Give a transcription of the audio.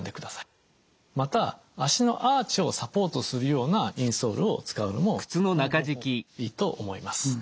また足のアーチをサポートするようなインソールを使うのもいいと思います。